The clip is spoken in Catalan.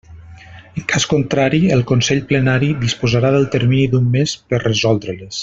En cas contrari, el Consell Plenari disposarà del termini d'un mes per resoldre-les.